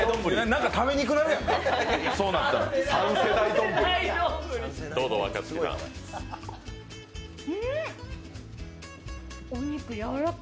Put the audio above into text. なんか食べにくなるやんか。